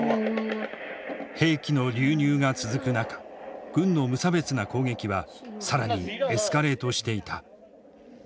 兵器の流入が続く中軍の無差別な攻撃は更にエスカレートしていた。